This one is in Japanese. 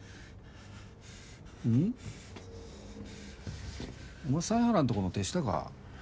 ん？お前犀原んとこの手下か？